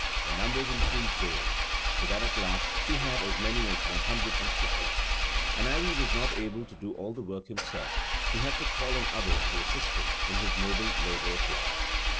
The number increased daily, so that at last he had as many as 150; and as he was not able to do all the work himself, he had to call in others to assist him in his noble labour of love.